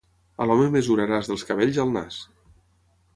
A l'home mesuraràs dels cabells al nas.